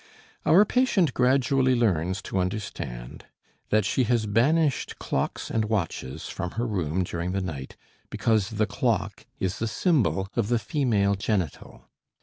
Our patient gradually learns to understand that she has banished clocks and watches from her room during the night because the clock is the symbol of the female genital.